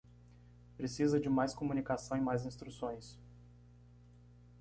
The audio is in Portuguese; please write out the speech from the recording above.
Precisa de mais comunicação e mais instruções